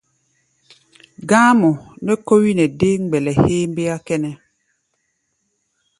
Gá̧á̧mɔ nɛ́ kó wí nɛ dé mgbɛlɛ héémbéá kʼɛ́nɛ́.